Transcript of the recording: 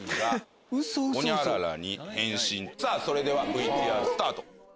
それではＶＴＲスタート！